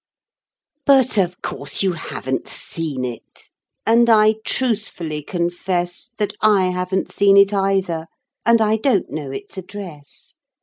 But of course you haven't seen it; and I truthfully confess That I haven't seen it either, and I don't know its address.